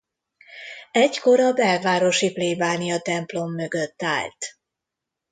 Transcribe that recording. Egykor a Belvárosi plébániatemplom mögött állt.